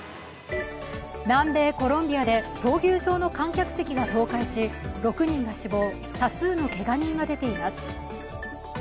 南米コロンビアで闘牛場の観客席が倒壊し６人が死亡、多数のけが人が出ています。